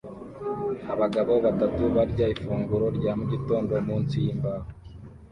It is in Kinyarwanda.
Abagabo batatu barya ifunguro rya mugitondo munsi yimbaho